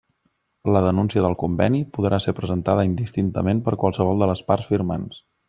La denúncia del conveni podrà ser presentada indistintament per qualsevol de les parts firmants.